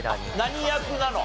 何役なの？